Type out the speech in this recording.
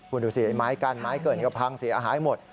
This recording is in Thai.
คุณดูสิไม้กั้นไม้เกินก็พังเสียหายหมด